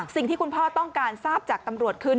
สิ่งที่คุณพ่อต้องการทราบจากตำรวจคือ